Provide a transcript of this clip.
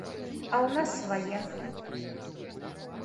А ў нас свае!